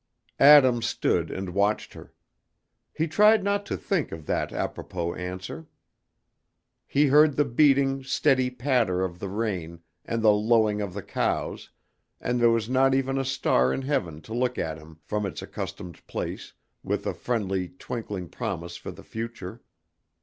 Adam stood and watched her. He tried not to think of that apropos answer. He heard the beating, steady patter of the rain, and the lowing of the cows, and there was not even a star in heaven to look at him from its accustomed place with a friendly, twinkling promise for the future.